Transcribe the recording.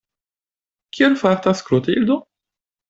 Kiel fartas Klotildo?